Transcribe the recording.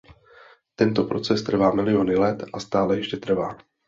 Tento proces trval milióny let a stále ještě trvá.